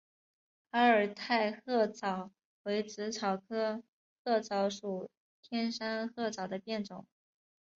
阿尔泰鹤虱为紫草科鹤虱属天山鹤虱的变种。